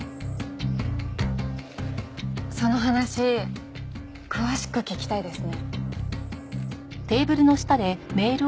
その話詳しく聞きたいですね。